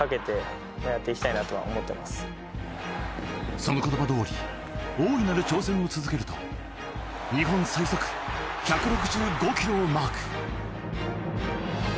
その言葉どおり大いなる挑戦を続けると日本最速１６５キロをマーク。